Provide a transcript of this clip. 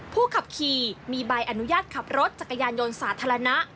ผู้ขับขี่มีใบอนุญาตขับรถจักรยานยนต์สาธารณะ